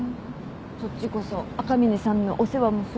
そっちこそ赤嶺さんのお世話もするくせに。